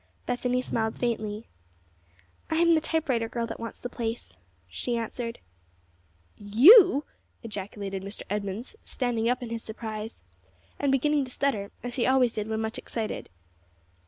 Bethany smiled faintly. "I am the typewriter girl that wants the place," she answered. "You!" ejaculated Mr. Edmunds, standing up in his surprise, and beginning to stutter as he always did when much excited.